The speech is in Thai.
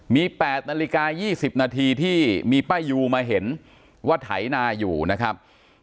มี๘นาฬิกา๒๐นาทีที่มีป้ายูมาเห็นว่าไถนาอยู่นะครับ